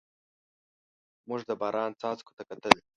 موږ د باران څاڅکو ته کتل.